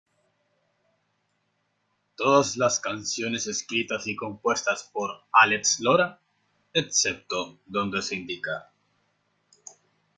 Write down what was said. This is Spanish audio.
Todas las canciones escritas y compuestas por Alex Lora, excepto donde se indica.